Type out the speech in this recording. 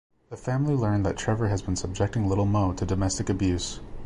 The family learn that Trevor has been subjecting Little Mo to domestic abuse.